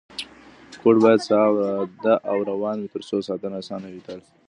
کوډ باید ساده او روان وي ترڅو ساتنه اسانه وي تل.